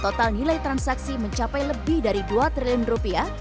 total nilai transaksi mencapai lebih dari dua triliun rupiah